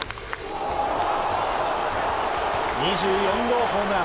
２４号ホームラン！